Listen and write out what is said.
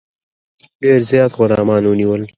ډېر زیات غلامان ونیول.